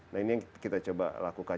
nah ini yang kita coba lakukan